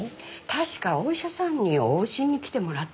確かお医者さんに往診に来てもらってるって言ってた。